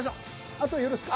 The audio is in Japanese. あとよろしく。